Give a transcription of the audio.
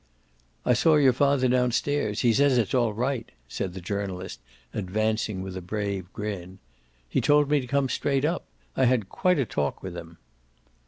"I saw your father downstairs he says it's all right," said the journalist, advancing with a brave grin. "He told me to come straight up I had quite a talk with him."